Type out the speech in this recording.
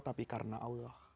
tapi karena allah